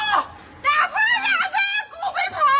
แต่พ่อแล้วแม่กูไม่พอแต่ลูกกูกูบอกหลายครั้งแล้ว